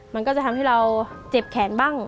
มันก็จะทำให้เราเจ็บแขนบ้าง